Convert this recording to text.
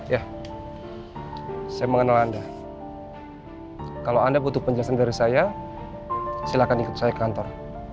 ya saya mengenal anda kalau anda butuh penjelasan dari saya silakan ikut saya ke kantor